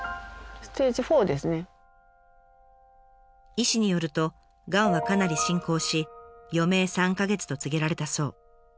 医師によるとがんはかなり進行し余命３か月と告げられたそう。